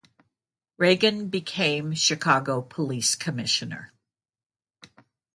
Ragen became Chicago police commissioner.